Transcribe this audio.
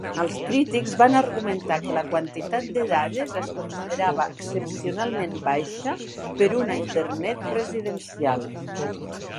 Els crítics van argumentar que la quantitat de dades es considerava excepcionalment baixa per una internet residencial.